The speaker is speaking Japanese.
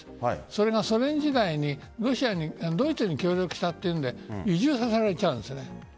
それがソ連時代にドイツに協力したというので移住させられちゃうんです。